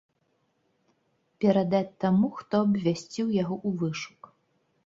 Перадаць таму, хто абвясціў яго ў вышук.